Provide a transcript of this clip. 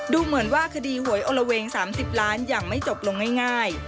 ดูเหมือนว่าคดีหวยโอละเวง๓๐ล้านยังไม่จบลงง่าย